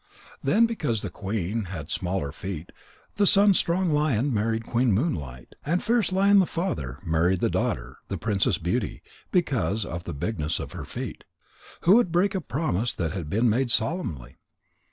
Then, because the queen had smaller feet, the son Strong lion married Queen Moonlight. And Fierce lion, the father, married her daughter, the princess Beauty, because of the bigness of her feet. Who would break a promise that had been made solemnly?